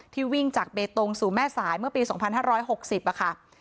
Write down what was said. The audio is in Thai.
วิ่งจากเบตงสู่แม่สายเมื่อปี๒๕๖๐ค่ะ